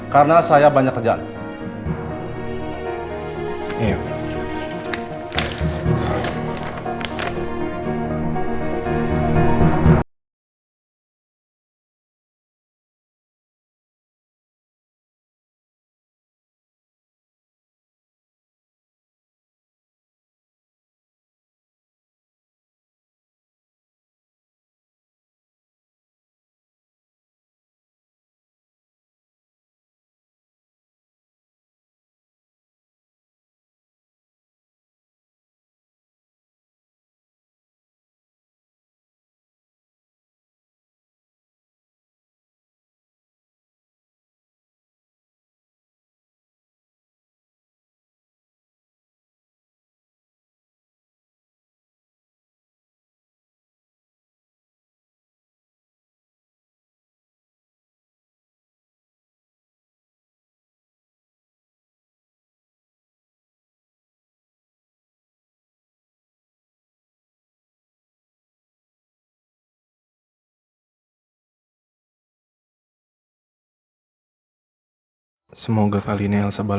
karena saya banyak kerjaan